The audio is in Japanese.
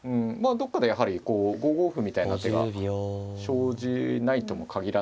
どっかでやはり５五歩みたいな手が生じないとも限らないので。